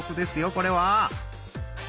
これは！